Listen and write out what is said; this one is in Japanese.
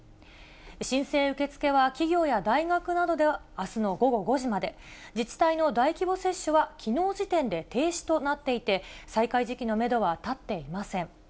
申請受け付けは企業や大学などではあすの午後５時まで、自治体の大規模接種はきのう時点で停止となっていて、再開時期のメドは立っていません。